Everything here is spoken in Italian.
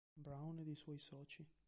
Brown ed i suoi soci.